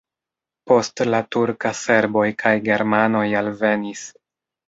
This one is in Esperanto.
Post la turka serboj kaj germanoj alvenis.